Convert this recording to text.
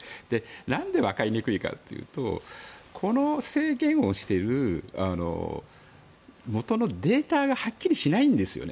なんで、わかりにくいかというとこの制限をしている元のデータがはっきりしないんですよね。